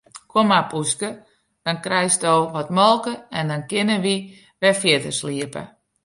Kom mar poeske, dan krijsto wat molke en dan kinne wy wer fierder sliepe.